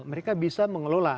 mereka bisa mengelola